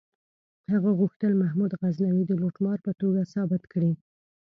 هغه غوښتل محمود غزنوي د لوټمار په توګه ثابت کړي.